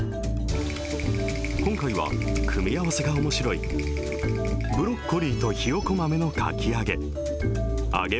今回は、組み合わせがおもしろい、ブロッコリーとひよこ豆のかき揚げ。